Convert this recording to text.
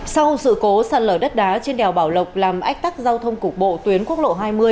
sau sự cố sạt lở đất đá trên đèo bảo lộc làm ách tắc giao thông cục bộ tuyến quốc lộ hai mươi